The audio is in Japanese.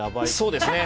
そうですね。